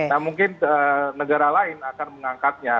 nah mungkin negara lain akan mengangkatnya